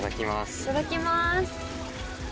いただきます。